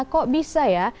kok bisa ya